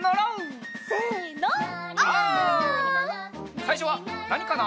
さいしょはなにかな？